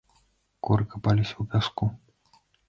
Куры капаліся ў пяску.